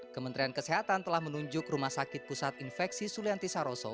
kementerian kesehatan telah menunjuk rumah sakit pusat infeksi sulianti saroso